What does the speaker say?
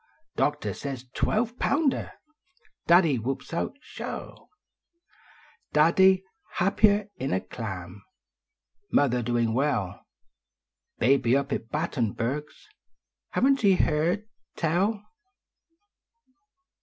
" Doctor says " twelve pounder ! Daddy whoops out :" Sho !" Daddv happier" n a clam ! Mother doin well ; Haby up at Battenberg s, i laveii t ve been! tell